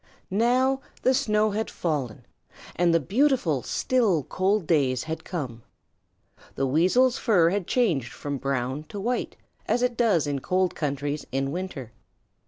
Now the snow had fallen and the beautiful still cold days had come. The Weasels' fur had changed from brown to white, as it does in cold countries in winter.